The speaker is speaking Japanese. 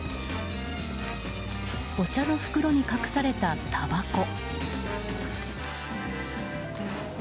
お茶の袋に隠された、たばこ。